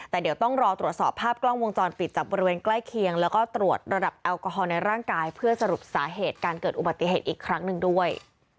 แต่เดี๋ยวต้องรอตรวจสอบภาพกล้องวงจรปิดจากบริเวณใกล้เคียงแล้วก็ตรวจระดับแอลกอฮอลในร่างกายเพื่อสรุปสาเหตุการเกิดอุบัติเหตุอีกครั้งหนึ่งด้วย